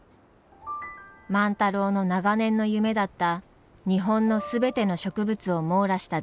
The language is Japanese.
万太郎の長年の夢だった日本の全ての植物を網羅した図鑑。